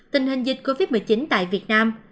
tình hình dịch covid một mươi chín tại việt nam